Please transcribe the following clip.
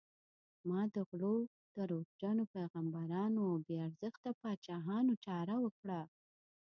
ما د غلو، دروغجنو پیغمبرانو او بې ارزښته پاچاهانو چاره وکړه.